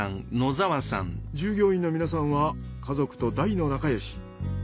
従業員の皆さんは家族と大の仲よし。